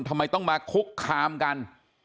ทำไมต้องมาคุกคามกัน